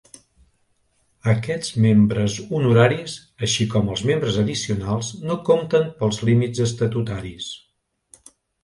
Aquests Membres Honoraris, així com els Membres Addicionals no compten pels límits estatutaris.